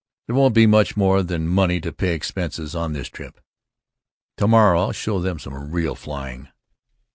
There won't be much more than money to pay expenses on this trip. Tomorrow I'll show them some real flying.